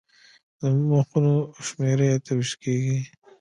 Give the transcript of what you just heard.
د مخونو شمېره یې اته ویشت کېږي.